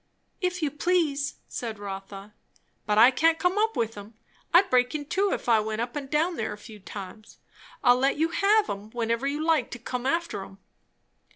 "If you please," said Rotha. "But I can't come up with 'em. I'd break in two if I went up and down there a few times. I'll let you have 'em whenever you like to come after 'em."